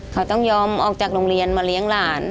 เขาต้องยอมออกจากโรงเรียนมาเลี้ยงหลาน